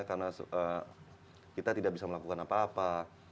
karena kita tidak bisa melakukan apa apa